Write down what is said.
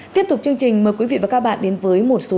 tiếp tục chương trình mời quý vị và các bạn đến với một số